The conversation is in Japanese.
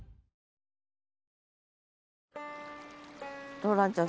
ローランちゃん